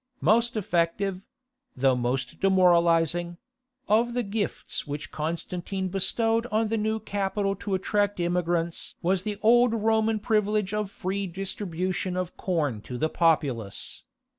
Most effective—though most demoralizing—of the gifts which Constantine bestowed on the new capital to attract immigrants was the old Roman privilege of free distribution of corn to the populace.